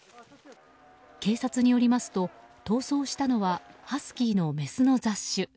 警察によりますと、逃走したのはハスキーのメスの雑種。